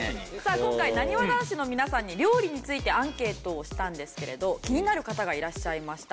今回なにわ男子の皆さんに料理についてアンケートをしたんですけれど気になる方がいらっしゃいました。